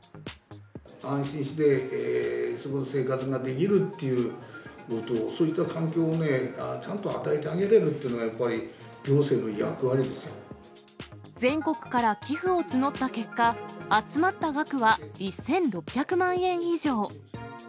安心して生活ができるっていう、そういった環境をちゃんと与えてあげれるというのは、やっぱり行全国から寄付を募った結果、集まった額は１６００万円以上。